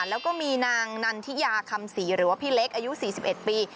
แล้วก็มีนางนันทิยาคำศรีหรือว่าพี่เล็กอายุ๔๑ปี